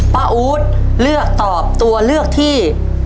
ป้าอู๋เลือกตอบตัวเลือกที่๑